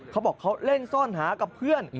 เขาบอกเขาเล่นซ่อนหากับเพื่อน